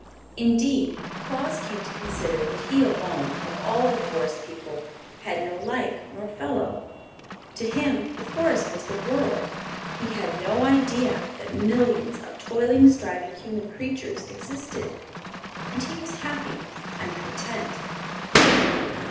Indeed, Claus came to consider that he alone, of all the forest people, had no like nor fellow. To him the forest was the world. He had no idea that millions of toiling, striving human creatures existed. And he was happy and content.